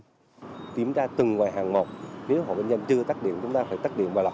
tiếp tục kiểm tra từng ngoài hàng một nếu hộ kinh doanh chưa tắt điện chúng ta phải tắt điện và lập